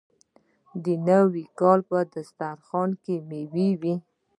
د نوي کال په دسترخان کې میوه وي.